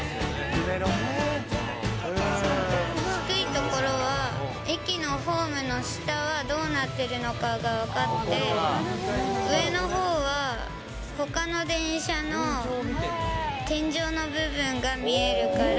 低いところは駅のホームの下はどうなってるのかが分かって、上の方は、ほかの電車の天井の部分が見えるから。